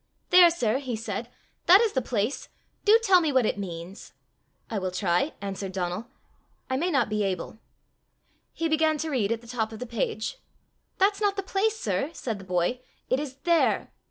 "There, sir!" he said; "that is the place: do tell me what it means." "I will try," answered Donal; "I may not be able." He began to read at the top of the page. "That's not the place, sir!" said the boy. "It is there."